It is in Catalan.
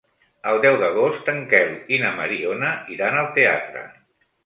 El deu d'agost en Quel i na Mariona iran al teatre.